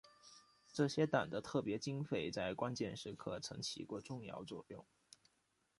这些党的特别经费在关键时刻曾起过重要作用。